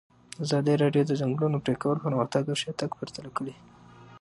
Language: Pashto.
ازادي راډیو د د ځنګلونو پرېکول پرمختګ او شاتګ پرتله کړی.